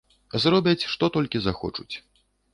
Зробяць, што толькі захочуць.